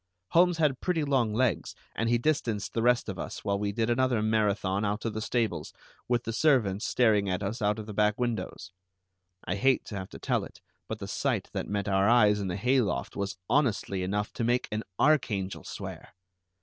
Holmes had pretty long legs, and he distanced the rest of us while we did another Marathon out to the stables, with the servants staring at us out of the back windows. I hate to have to tell it, but the sight that met our eyes in the hay loft was honestly enough to make an archangel swear!